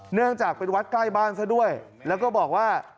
เนื่องจากเป็นวัดใกล้บ้านซะด้วยแล้วก็บอกว่า